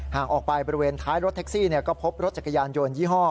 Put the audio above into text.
หากออกไปบริเวณท้ายรถแท็กซี่ก็พบรถจักรยานยนต์ยี่ห้อ